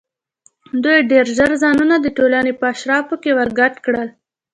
دوی ډېر ژر ځانونه د ټولنې په اشرافو کې ورګډ کړل.